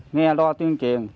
nghe loa tuyên truyền